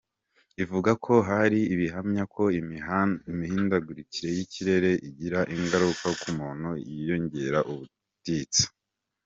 Ivuga ko “Hari ibihamya ko imihindagurikire y’ikirere igira ingaruka ku muntu yiyongera ubutitsa.